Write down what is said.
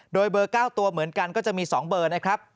โดยเบอร์๙ตัวเหมือนกันก็จะมี๒เบอร์นะครับ